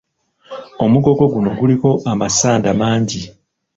Omugogo guno guliko amasanda mangi.